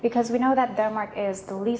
karena kita tahu bahwa denmark adalah